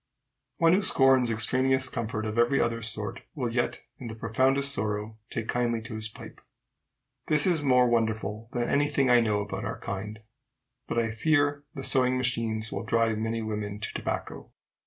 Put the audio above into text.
One who scorns extraneous comfort of every other sort, will yet, in the profoundest sorrow, take kindly to his pipe. This is more wonderful than any thing I know about our kind. But I fear the sewing machines will drive many women to tobacco.